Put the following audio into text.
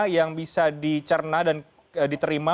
yang bisa dicerna dan diterima